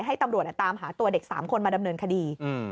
ให้ตำรวจตามหาตัวเด็ก๓คนมาดำเนินคดี